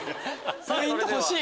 ポイント欲しい！